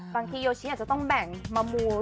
บางทีโยชิอาจจะต้องแบ่งมามูล